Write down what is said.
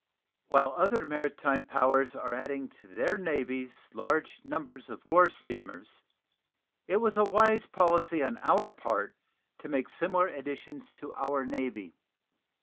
While other maritime powers are adding to their navies large numbers of war steamers, it was a wise policy on our part to make similar additions to our Navy.